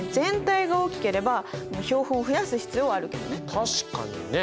確かにね。